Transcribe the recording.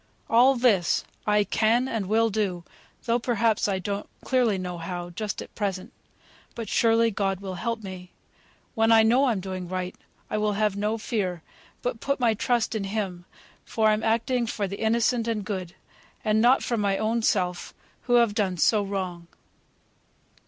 All this I can and will do, though perhaps I don't clearly know how, just at present. But surely God will help me. When I know I'm doing right, I will have no fear, but put my trust in Him; for I'm acting for the innocent and good, and not for my own self, who have done so wrong.